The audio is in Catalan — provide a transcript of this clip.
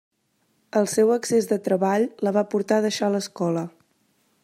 El seu excés de treball la va portar a deixar l'escola.